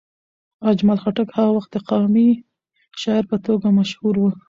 اجمل خټک هغه وخت د قامي شاعر په توګه مشهور و.